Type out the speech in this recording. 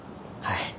はい。